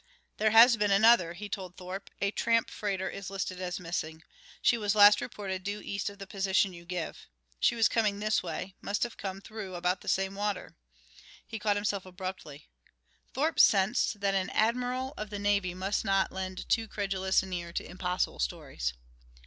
"There has been another," he told Thorpe. "A tramp freighter is listed as missing. She was last reported due east of the position you give. She was coming this way must have come through about the same water " He caught himself up abruptly. Thorpe sensed that an Admiral of the Navy must not lend too credulous an ear to impossible stories.